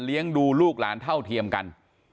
เลี้ยงดูลูกหลานเท่าเทียมกัน